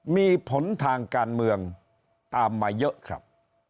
มีผลทางการเมืองตามมาเยอะครับ